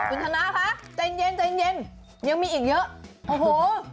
อื้อออออออออจุธนาคะใจเย็นยังมีอีกเยอะโอ้หู